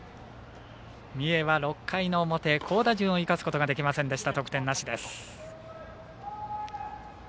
三重は６回の表好打順を生かすことができませんでした、得点なしです。